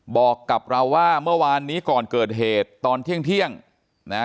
บอกกับเราว่าเมื่อวานนี้ก่อนเกิดเหตุตอนเที่ยงนะฮะ